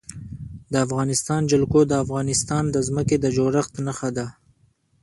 د افغانستان جلکو د افغانستان د ځمکې د جوړښت نښه ده.